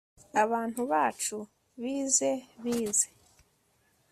Abagabo bacu bize bize